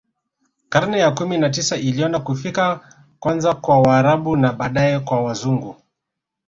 Karne ya kumi na tisa iliona kufika kwanza kwa Waarabu na baadae kwa Wazungu